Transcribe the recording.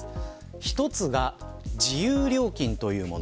１つが自由料金というもの。